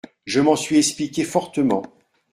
Je m'en suis expliqué fortement.